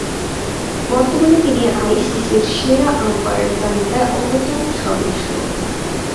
বর্তমানে তিনি আইসিসি’র সেরা আম্পায়ার তালিকার অন্যতম সদস্য।